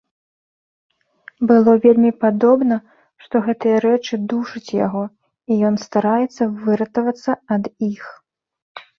Было вельмі падобна, што гэтыя рэчы душаць яго і ён стараецца выратавацца ад іх.